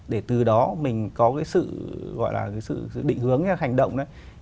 để từ đó mình có cái sự gọi là sự định hướng hành động